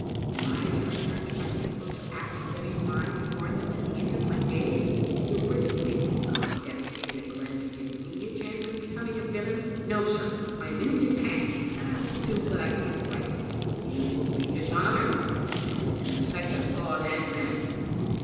Am I to return to my people to act a living lie before them to the end of my days? Do you really think that God devastated a glen to give me a chance of becoming a villain? No, sir, I am in His hands, and I will do what I think right." "You will be dishonored," I said, "in the sight of God and man."